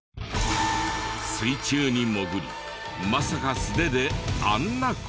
水中に潜りまさか素手であんな事を。